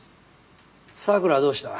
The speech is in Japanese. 桜はどうした？